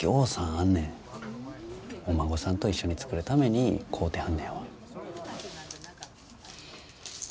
お孫さんと一緒に作るために買うてはんねやわ。